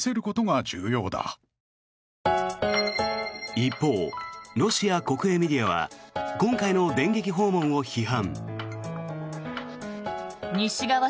一方、ロシア国営メディアは今回の電撃訪問を批判。